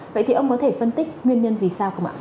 vậy thì ông có thể phân tích nguyên nhân vì sao không ạ